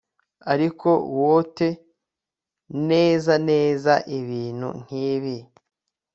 Ariko wot neza neza ibintu nkibi